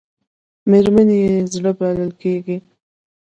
مېرمنې یې زړه بلل کېږي .